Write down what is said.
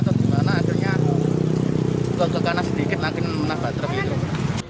karena akhirnya juga keganas sedikit lagi menangkan truk